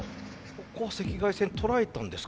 ここは赤外線捉えたんですかね。